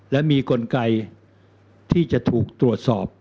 และมีกลไกที่จะถูกตรวจสอบ